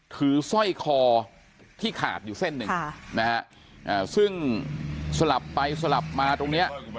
สร้อยคอที่ขาดอยู่เส้นหนึ่งนะฮะซึ่งสลับไปสลับมาตรงเนี้ย